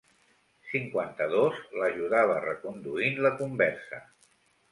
Cinquanta-dos l'ajudava reconduint la conversa.